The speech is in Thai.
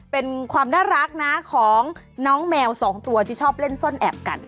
เป็นความน่ารักนะของน้องแมวสองตัวที่ชอบเล่นซ่อนแอบกัน